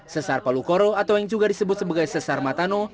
sesar palu koro atau yang juga disebut sebagai sesar matano